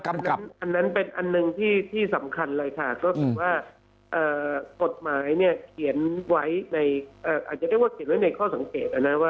อันนั้นเป็นอันหนึ่งที่สำคัญเลยค่ะก็คือว่ากฎหมายเนี่ยเขียนไว้ในอาจจะเรียกว่าเขียนไว้ในข้อสังเกตนะว่า